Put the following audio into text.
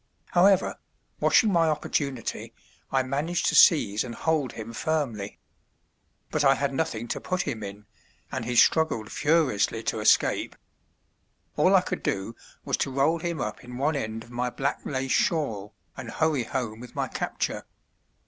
However, watching my opportunity, I managed to seize and hold him firmly; but I had nothing to put him in, and he struggled furiously to escape. All I could do was to roll him up in one end of my black lace shawl and hurry home with my capture.